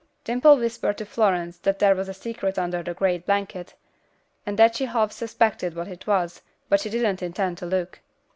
Dimple whispered to Florence that there was a secret under the grey blanket; and that she half suspected what it was, but she didn't intend to look.